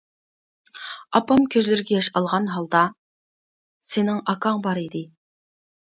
ئاپام كۆزلىرىگە ياش ئالغان ھالدا: —سېنىڭ ئاكاڭ بار ئىدى.